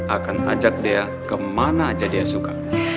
akan ajak dea kemana aja dea suka